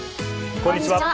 こんにちは。